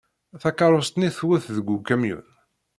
Takeṛṛust-nni twet deg ukamyun.